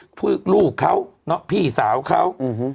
พวกลูกเขาพี่สาวเขา